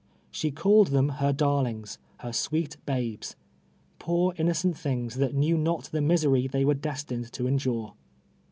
She called them her darlings —• her sweet babes — poor innocent things, that knew not the misery they were destined to endure.